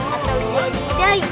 atau jadi day